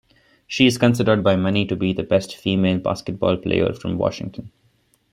She is considered by many to be the best female basketball player from Washington.